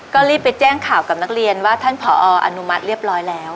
ก็รีบไปแจ้งข่าวกับนักเรียนว่าท่านผออนุมัติเรียบร้อยแล้ว